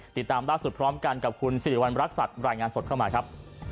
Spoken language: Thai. ติดตามล่าสุดพร้อมกันกับคุณสิริวัณรักษัตริย์รายงานสดเข้ามาครับ